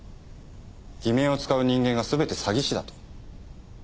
偽名を使う人間が全て詐欺師だと？